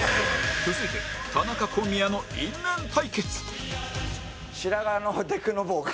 続いて田中小宮の因縁対決